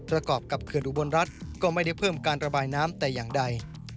กรอบกับเขื่อนอุบลรัฐก็ไม่ได้เพิ่มการระบายน้ำแต่อย่างใด